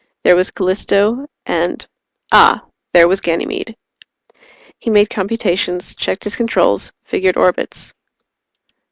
There was Callisto, and ah there was Ganymede. He made computations, checked his controls, figured orbits.